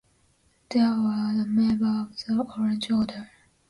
He was a member of the Orange Order.